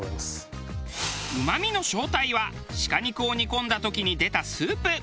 うまみの正体は鹿肉を煮込んだ時に出たスープ。